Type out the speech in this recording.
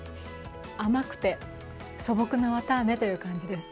甘くて、素朴なわたあめという感じです。